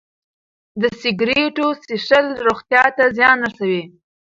د سګرټو څښل روغتیا ته زیان رسوي.